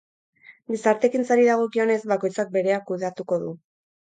Gizarte-ekintzari dagokionez, bakoitzak berea kudeatuko du.